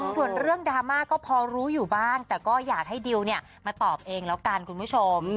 ส่วนเรื่องดราม่าก็พอรู้อยู่บ้างแต่ก็อยากให้ดิวเนี่ยมาตอบเองแล้วกันคุณผู้ชม